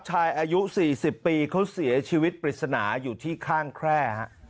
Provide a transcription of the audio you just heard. อายุ๔๐ปีเขาเสียชีวิตปริศนาอยู่ที่ข้างแคร่